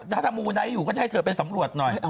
ถ้ามูไนท์อยู่ก็จะให้เธอไปสำรวจหน่อย